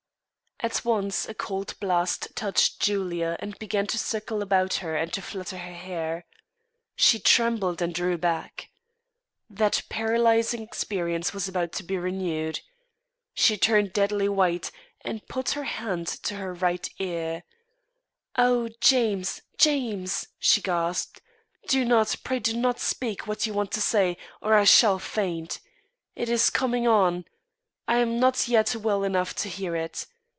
At once a cold blast touched Julia and began to circle about her and to flutter her hair. She trembled and drew back. That paralysing experience was about to be renewed. She turned deadly white, and put her hand to her right ear. "Oh, James! James!" she gasped. "Do not, pray do not speak what you want to say, or I shall faint. It is coming on. I am not yet well enough to hear it.